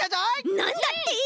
なんだって！